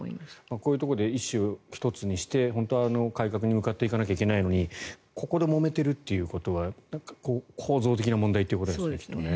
こういうところで意思を一つにして本当は改革に向かっていかなきゃいけないのにここでもめてるということは構造的な問題ということですよね。